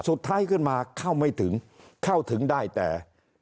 สุดท้ายขึ้นมาเข้าไม่ถึงเข้าถึงได้แต่